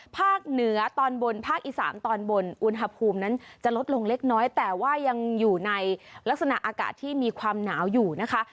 ภาคเหนือตอนบนภาคอีสานตอนบนอุณหภูมินั้นจะลดลงเล็กน้อยแต่ว่ายังอยู่ในลักษณะอากาศที่มีความหนาวอยู่นะคะ